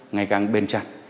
ngày càng bền chặt